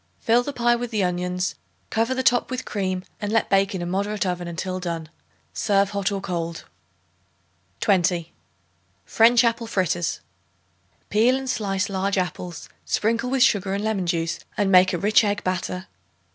Fill the pie with the onions, cover the top with cream and let bake in a moderate oven until done. Serve hot or cold. 20. French Apple Fritters. Peel and slice large apples; sprinkle with sugar and lemon juice and make a rich egg batter.